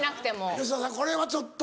吉田さんこれはちょっと。